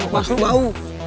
mas lu mau